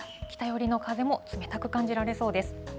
北寄りの風も冷たく感じられそうです。